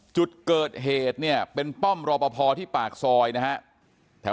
จุดเกิดเหตุเนี่ยเป็นป้อมรอปภที่ปากซอยนะฮะ